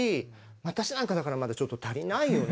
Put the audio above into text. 私なんかだからまだちょっと足りないよね